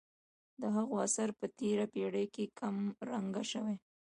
د هغو اثر په تېره پېړۍ کې کم رنګه شوی.